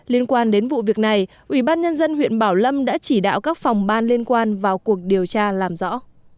liên quan đến vụ việc này ubnd huyện bảo lâm đã chỉ đạo các phòng ban liên quan vào cuộc điều tra làm rõ